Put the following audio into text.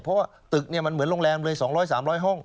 เพราะว่าตึกมันเหมือนโรงแรมเลย๒๐๐๓๐๐ห้อง